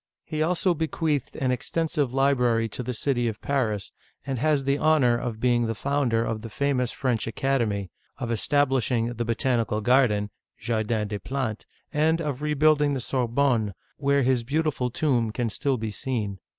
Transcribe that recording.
He also bequeathed an extensive library to the city of Paris, and has the honor of being the founder of the famous French Academy, of establishing the Botan ical Garden (Jardin des Plantes), and of rebuilding the Sorbonne, where his beautiful tomb can still be seen.